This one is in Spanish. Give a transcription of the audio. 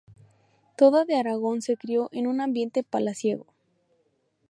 Toda de Aragón se crio en un ambiente palaciego.